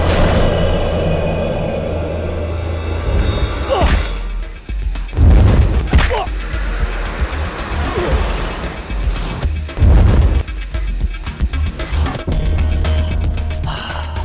akan mengikuti semua perintahku